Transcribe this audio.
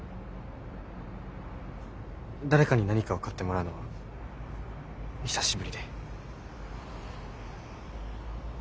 誰かに何かを買ってもらうのは久しぶりで。